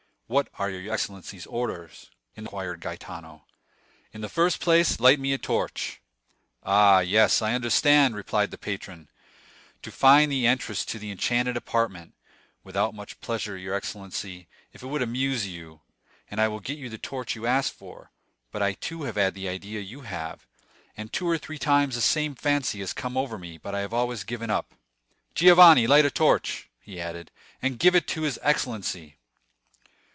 "What are your excellency's orders?" inquired Gaetano. "In the first place, light me a torch." "Ah, yes, I understand," replied the patron, "to find the entrance to the enchanted apartment. With much pleasure, your excellency, if it would amuse you; and I will get you the torch you ask for. But I too have had the idea you have, and two or three times the same fancy has come over me; but I have always given it up. Giovanni, light a torch," he added, "and give it to his excellency."